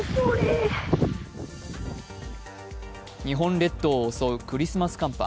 日本列島を襲うクリスマス寒波。